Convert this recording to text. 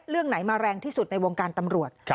เรื่องไหนมาแรงที่สุดในวงการตำรวจ